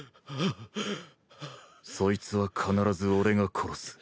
そいつは必ず俺が殺す。